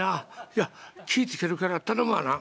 いや気ぃ付けるから頼むわな」。